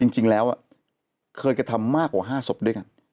จริงแล้วเคยกระทำมากกว่า๕ศพด้วยกัน